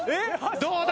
どうだ？